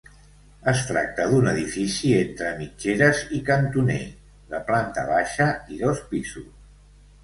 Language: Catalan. Es tracta d'un edifici entre mitgeres i cantoner, de planta baixa i dos pisos.